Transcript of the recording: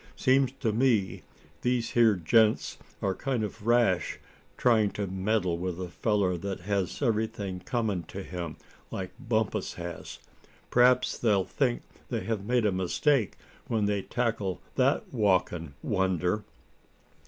Seems to me these here gents are kind of rash tryin' to meddle with a feller that has everything comin' to him like Bumpus has. P'raps they'll think they have made a mistake when they tackle that walkin' wonder."